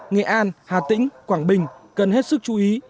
nghệ an hà tĩnh quảng bình cần hết sức chú ý